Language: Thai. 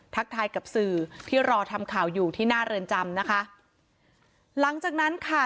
ทายกับสื่อที่รอทำข่าวอยู่ที่หน้าเรือนจำนะคะหลังจากนั้นค่ะ